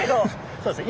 そうですね。